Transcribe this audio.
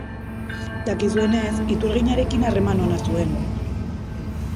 Dakizuenez, iturginarekin harreman ona zuen.